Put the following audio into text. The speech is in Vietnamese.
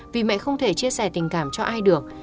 vì mẹ không thể chia sẻ tình cảm cho ai được